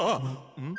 うん？